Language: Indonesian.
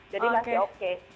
jadi masih oke